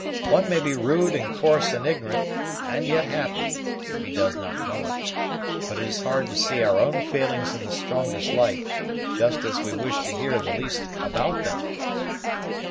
One may be rude and coarse and ignorant, and yet happy, if he does not know it; but it is hard to see our own failings in the strongest light, just as we wish to hear the least about them."